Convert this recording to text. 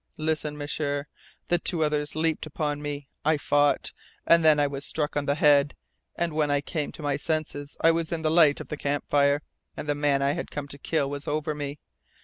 "Listen, M'sieur. The two others leaped upon me. I fought. And then I was struck on the head, and when I came to my senses I was in the light of the campfire, and the man I had come to kill was over me.